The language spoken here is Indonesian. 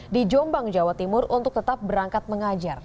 di jombang jawa timur untuk tetap berangkat mengajar